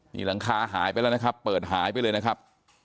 นี่หลังคาหายไปแล้วนะครับเปิดหายไปเลยนะครับ